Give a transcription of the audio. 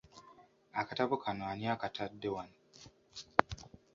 Akatabo kano ani akatadde wano?